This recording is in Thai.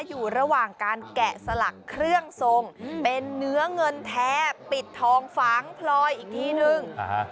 อยู่ระหว่างการแกะสลักเครื่องทรงเป็นเนื้อเงินแท้ปิดทองฝังพลอยอีกทีนึง